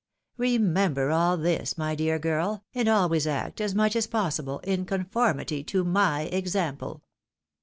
Remember all this, my dear girl, and always act, as much as possible, in conformity to my example."